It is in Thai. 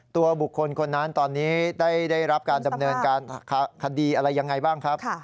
ตัวบุคคลคนนั้นตอนนี้ได้รับการดำเนินการคดีอะไรยังไงบ้างครับ